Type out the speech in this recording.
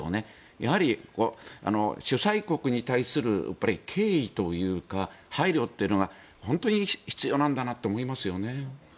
やはり、主催国に対する敬意というか配慮というのが、本当に必要なんだなと思いますね。